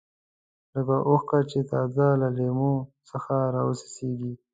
لکه اوښکه چې تازه له لیمو څخه راوڅڅېږي.